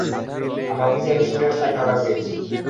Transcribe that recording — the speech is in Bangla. আমরা অফিসিয়ালি শ্যুট-অ্যাট সাইট অর্ডার পেয়েছি।